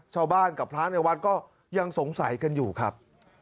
ชาวบ้านกับพระในวัดก็ยังสงสัยกันอยู่ครับ